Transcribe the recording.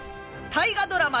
大河ドラマ